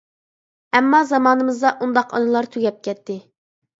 ئەمما زامانىمىزدا ئۇنداق ئانىلار تۈگەپ كەتتى.